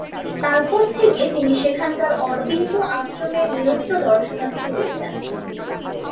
তারপর থেকে তিনি সেখানকার অরবিন্দ আশ্রমের নিয়মিত দর্শনার্থী হয়ে যান।